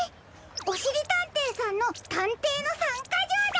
おしりたんていさんのたんていの３かじょうだ！